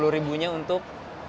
sepuluh ribunya untuk